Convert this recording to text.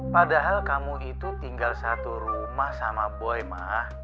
padahal kamu itu tinggal satu rumah sama boy ma